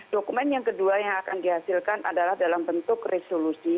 dokumen yang kedua yang akan dihasilkan adalah dalam bentuk resolusi